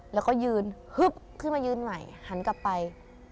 แล้วก็ยืนฮึบขึ้นมายืนใหม่หันกลับไป